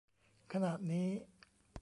ขณะนี้